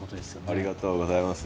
ありがとうございます。